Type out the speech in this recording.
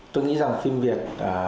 tôi nghĩ rằng phim việt